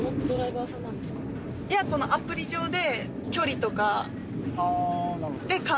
このアプリ上で。